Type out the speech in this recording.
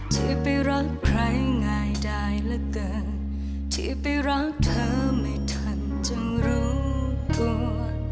ที่ไปรักเธอไม่ทันจะรู้กลัว